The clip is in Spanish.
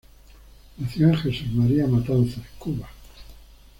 Nació en Jesús María, Matanzas, Cuba.